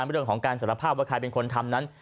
เรื่องของการสารภาพว่าใครเป็นคนทำนั้น